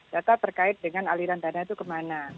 data terkait dengan aliran dana itu kemana